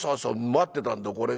待ってたんだこれ。